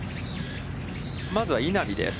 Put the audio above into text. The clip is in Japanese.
まずは稲見です。